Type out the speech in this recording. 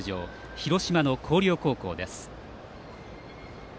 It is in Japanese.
広島の広陵高校です。